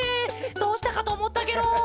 どうしたかとおもったケロ。